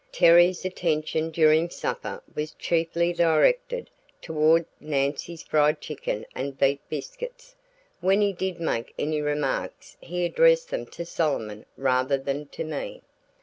Terry's attention during supper was chiefly directed toward Nancy's fried chicken and beat biscuits. When he did make any remarks he addressed them to Solomon rather than to me.